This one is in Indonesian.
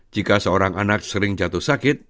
jika seorang anak sering jatuh sakit